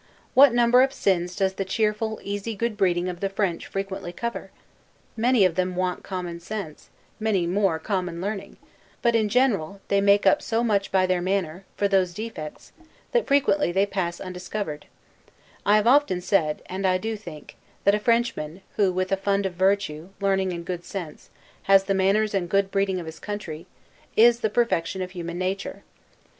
What a number of sins does the cheerful, easy good breeding of the French frequently cover? Many of them want common sense, many more common learning; but in general, they make up so much by their manner, for those defects, that frequently they pass undiscovered: I have often said, and do think, that a Frenchman, who, with a fund of virtue, learning and good sense, has the manners and good breeding of his country, is the perfection of human nature.